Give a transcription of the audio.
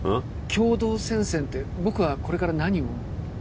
共同戦線って僕はこれから何を？